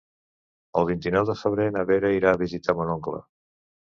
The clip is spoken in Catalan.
El vint-i-nou de febrer na Vera irà a visitar mon oncle.